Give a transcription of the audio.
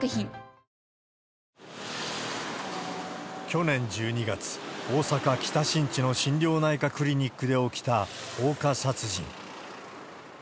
去年１２月、大阪・北新地の心療内科クリニックで起きた放火殺人。